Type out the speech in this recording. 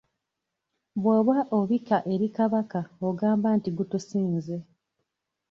Bw'oba obika eri Kabaka ogamba nti gutusinze.